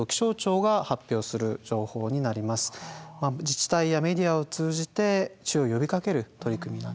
自治体やメディアを通じて注意を呼びかける取り組みなんですね。